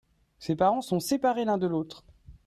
ses parents sont séparés l'un de l'autre.